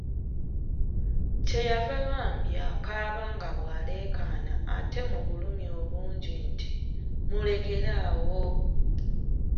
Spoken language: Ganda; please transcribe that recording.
Kye yava bambi akaaba nga bw'aleekaana ate mu bulumi obungi nti, mulekere awo!